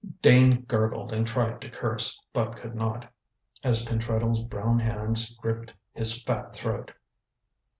Dane gurgled and tried to curse, but could not, as Pentreddle's brown hands gripped his fat throat.